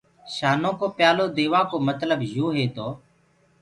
شآنو ڪو پيآلو ديوآ ڪو متلب تو هي تو،